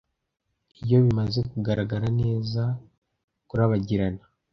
Iyo bimaze kugaragara neza - kurabagirana